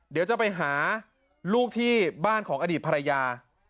เดี๋ยวจะไปหาลูกที่บ้านของอดีตภรรยา